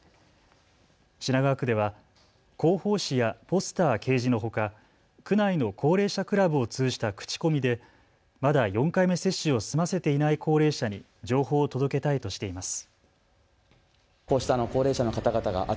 品川区では広報紙やポスター掲示のほか、区内の高齢者クラブを通じた口コミでまだ４回目接種を済ませていない高齢者に情報を届けたいとしています。